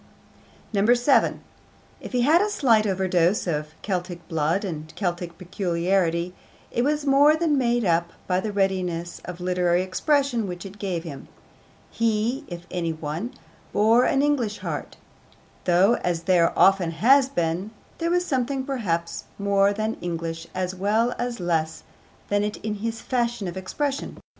7. If he had a slight overdose of Celtic blood and Celtic peculiarity, it was more than made up by the readiness of literary expression which it gave him. He, if any one, bore an English heart, though, as there often has been, there was something perhaps more than English as well as less than it in his fashion of expression.